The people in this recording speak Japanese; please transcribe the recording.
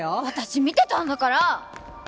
私見てたんだから！